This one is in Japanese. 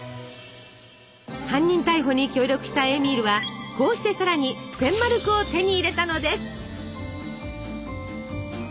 犯人逮捕に協力したエーミールはこうしてさらに１，０００マルクを手に入れたのです。